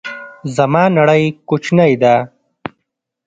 زما نړۍ کوچنۍ ده